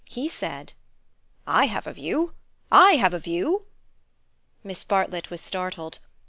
He said: "I have a view, I have a view." Miss Bartlett was startled.